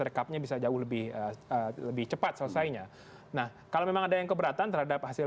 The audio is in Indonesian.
rekapnya bisa jauh lebih lebih cepat selesainya nah kalau memang ada yang keberatan terhadap hasil